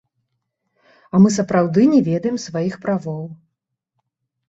А мы сапраўды не ведаем сваіх правоў.